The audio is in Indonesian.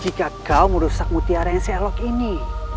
jika kau merusak mutiara yang selok ini